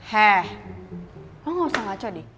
he lo gak usah ngaco d